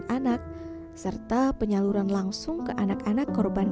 hierati untuk para dusia pelalom pengajaran